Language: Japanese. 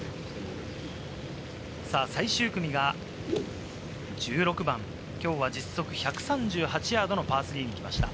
最終組が１６番、きょうは実測１３８ヤードのパー３になりました。